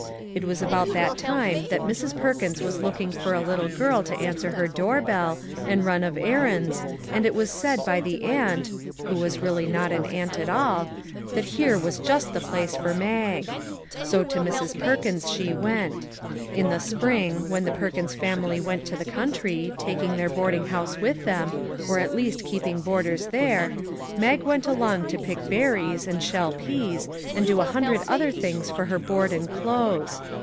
It was about that time that Mrs. Perkins was looking for a little girl to answer her door bell, and run of errands, and it was said by the aunt who was really not an aunt at all that here was just the place for Mag. So to Mrs. Per kins she went. In the spring, when the Per kins family went to the country, taking their boarding house with them or at least keeping boarders there Mag went along to pick ber ries, and shell peas, and do a hundred other things for her board and clothes.